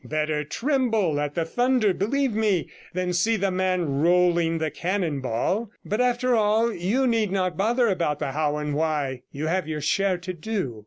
Better tremble at the thunder, believe me, than see the man rolling the cannon ball. But, after all, you needn't bother 135 about the how and why; you have your share to do.